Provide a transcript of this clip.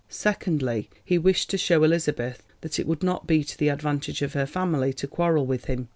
Secondly, he wished to show Elizabeth that it would not be to the advantage of her family to quarrel with him.